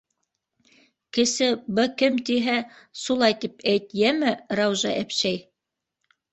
Кесе бы кем тиһә, сулай тип әйт, йәме, Раужа әпшәй?